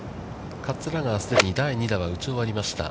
桂川、既に第２打は打ち終わりました。